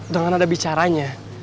dengan nada bicaranya